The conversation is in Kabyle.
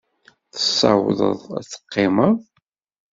Tessawḍeḍ ad teqqimeḍ?